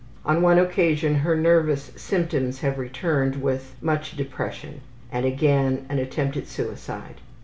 On one occasion her nervous symptoms have returned with much depression and again an attempt at suicide.